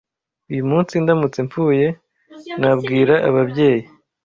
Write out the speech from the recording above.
Uyu munsi ndamutse mpfuye nabwira ababyeyi